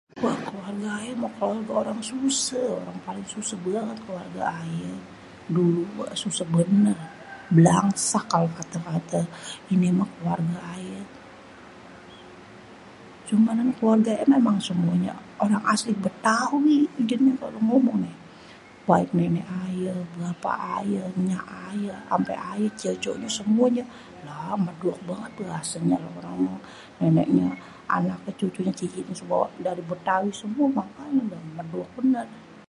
Keluarga aye mah orang paling suseh. Orang paling suseh banget keluarga aye. Dulu mah suseh bener, blangsak kalo kata-kata ini mah keluarga aye. Cuman keluarga aye kan emang orang asli Bétawi jadinya pada ngomong nih, baik nenek aye, bapak aye, enyak aye, ampe aye cewek-ceweknye semuanye lah medok banget bahasanye. Kalo orang ngomong neneknye, anaknye, cucunye, cicitnye, semuanye dari Bétawi makanya medok bener.